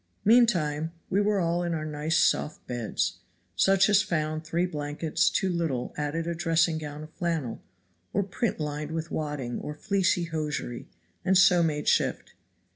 Meantime we were all in our nice soft beds; such as found three blankets too little added a dressing gown of flannel, or print lined with wadding or fleecy hosiery, and so made shift.